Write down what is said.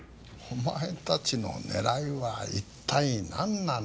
お前たちの狙いは一体なんなんだ？